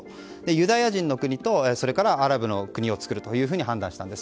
ユダヤ人の国とそれからアラブの国を作ると判断したんです。